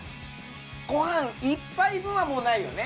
ご飯１杯分はもうないよね。